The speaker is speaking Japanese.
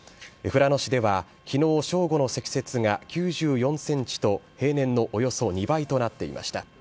富良野市ではきのう正午の積雪が９４センチと平年のおよそ２倍となっていました。